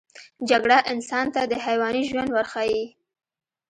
جګړه انسان ته د حیواني ژوند ورښيي